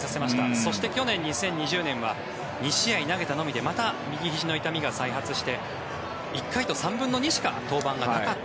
そして去年２０２０年は２試合投げたのみでまた右ひじの痛みが再発して１回と３分の２しか登板がなかった。